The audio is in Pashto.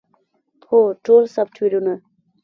هو، ټول سافټویرونه